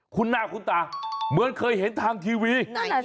คุณหน้าคุณตาเหมือนเคยเห็นทางทีวี